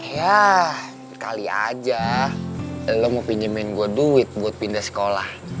ya kali aja lu mau pinjemin gua duit buat pindah sekolah